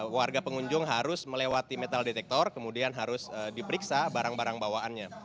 warga pengunjung harus melewati metal detektor kemudian harus diperiksa barang barang bawaannya